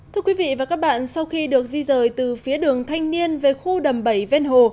thưa quý vị và các bạn sau khi được di rời từ phía đường thanh niên về khu đầm bảy vên hồ